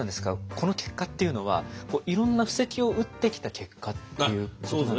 この結果っていうのはいろんな布石を打ってきた結果っていうことなんでしょうか？